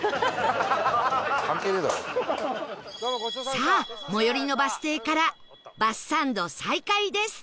さあ最寄りのバス停からバスサンド再開です